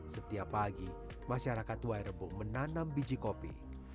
setiap pagi masyarakat y rebo menanam biji kopi